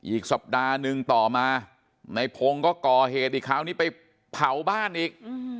อีกสัปดาห์หนึ่งต่อมาในพงศ์ก็ก่อเหตุอีกคราวนี้ไปเผาบ้านอีก